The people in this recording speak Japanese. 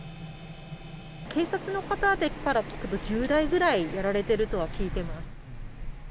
警察の方から聞くと、１０台ぐらいやられているとは聞いてます。